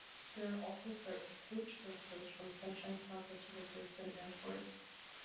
There are also coach services from Sunshine Plaza to Brisbane Airport.